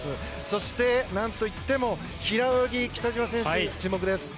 そして、何といっても平泳ぎ、北島選手の注目です。